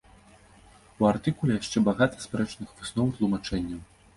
У артыкуле яшчэ багата спрэчных высноў і тлумачэнняў.